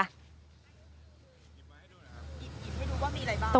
หยิบให้ดูว่ามีอะไรบ้าง